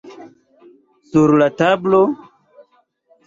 Sur la tablo?